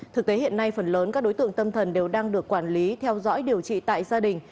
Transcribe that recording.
thực tế hiện nay phần lớn các đối tượng tâm thần đều đang được quản lý theo dõi điều trị tại gia đình